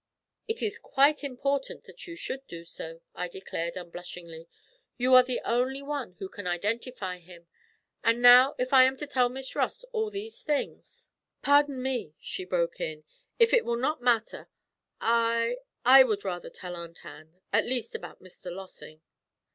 'It is quite important that you should do so,' I declared unblushingly. 'You are the only one who can identify him; and now if I am to tell Miss Ross all these things ' 'Pardon me,' she broke in, 'if it will not matter, I I would rather tell Aunt Ann; at least, about Mr. Lossing.'